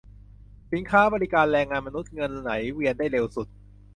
สินค้า บริการ แรงงานมนุษย์ เงินไหลเวียนได้เร็วสุด